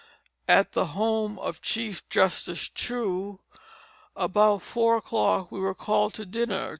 (At the home of Chief Justice Chew.) "About four o'clock we were called to dinner.